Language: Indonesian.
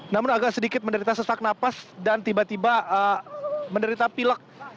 namun agak sedikit menderita sesak nafas dan tiba tiba menderita pilek